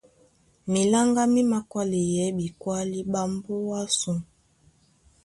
Miláŋgá mí mākwáleyɛɛ́ ɓekwálí ɓá mbóa ásū.